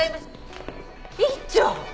院長！